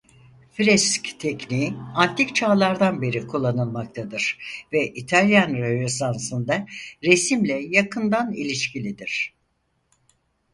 Fresk tekniği Antik Çağlardan beri kullanılmaktadır ve İtalyan Rönesansı'nda resimle yakından ilişkilidir.